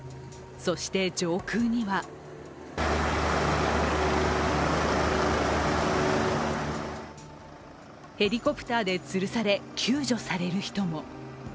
そして、上空にはヘリコプターでつるされ、救助される人も。